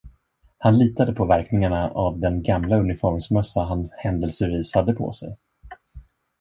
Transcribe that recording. Han litade på verkningarna av den gamla uniformsmössa han händelsevis hade på sig.